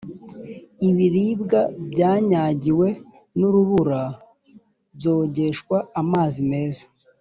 ibiribwa byanyagiwe nurubura byogeshwa amazi meza